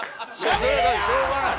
しょうがない。